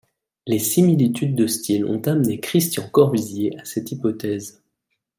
Les similitudes de style ont amené Christian Corvisier à cette hypothèse.